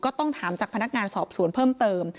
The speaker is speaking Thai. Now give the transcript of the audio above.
ก็ต้องถามจากพนักงานสอบสวนเพิ่มเติม